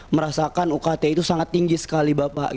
merasakan ukt itu sangat tinggi sekali bapak